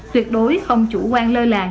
tuyệt đối không chủ quan lơi làng